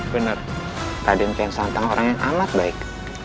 benar raden ke santang orang yang amat baik